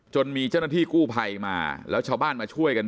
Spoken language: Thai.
มีเจ้าหน้าที่กู้ภัยมาแล้วชาวบ้านมาช่วยกัน